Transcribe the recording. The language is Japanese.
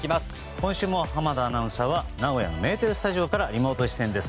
今週も濱田アナウンサーは名古屋のメテレスタジオからリモート出演です。